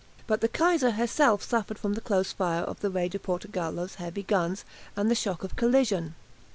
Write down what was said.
But the "Kaiser" herself suffered from the close fire of the "Re di Portogallo's" heavy guns and the shock of collision.